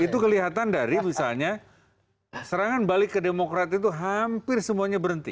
itu kelihatan dari misalnya serangan balik ke demokrat itu hampir semuanya berhenti